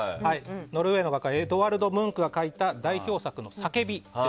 ノルウェーの画家エドヴァルド・ムンクが描いた代表作の「叫び」。